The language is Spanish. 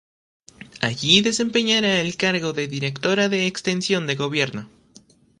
Allí desempeñará el cargo de Directora de extensión de Gobierno.